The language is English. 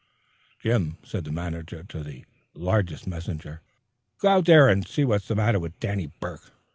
"Jim," said the manager to the largest messenger, "go out there and see what's the matter with Danny Burke.